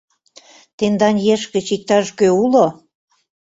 Тендан еш гыч иктаж-кӧ уло?